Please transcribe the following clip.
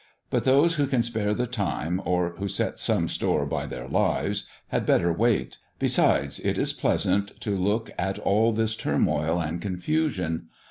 But those who can spare the time or who set some store by their lives, had better wait. Besides it is pleasant to look at all this turmoil and confusion.